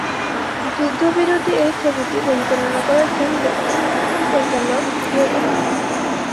যুদ্ধবিরোধী এই ছবিটি পরিচালনা করেছেন দক্ষিণ আফ্রিকান পরিচালক গেভিন হুড।